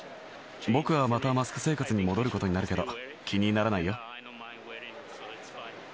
僕はまたマスク生活に戻ることになるけど、気にならないよ。